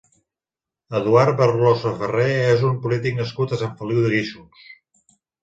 Eduard Berloso Ferrer és un polític nascut a Sant Feliu de Guíxols.